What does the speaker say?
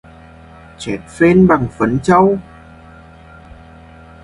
Trét phên bằng phân trâu